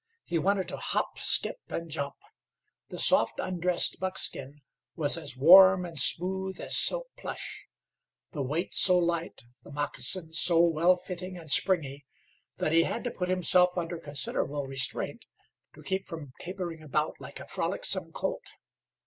He wanted to hop, skip and jump. The soft, undressed buckskin was as warm and smooth as silk plush; the weight so light, the moccasins so well fitting and springy, that he had to put himself under considerable restraint to keep from capering about like a frolicsome colt.